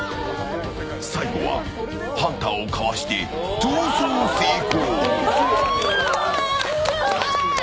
最後はハンターをかわして逃走成功！